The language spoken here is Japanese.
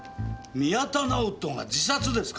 宮田直人が自殺ですか。